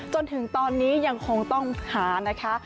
จนถึงตอนนี้ยังคงต้องหานะคะ